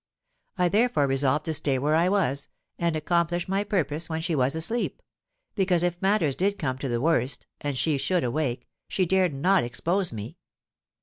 I therefore resolved to stay where I was, and accomplish my purpose when she was asleep; because if matters did come to the worst and she should awake, she dared not expose me.